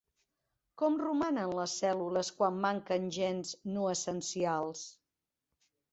Com romanen les cèl·lules quan manquen gens "no essencials"?